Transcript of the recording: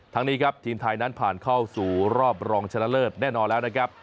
นี้ครับทีมไทยนั้นผ่านเข้าสู่รอบรองชนะเลิศแน่นอนแล้วนะครับ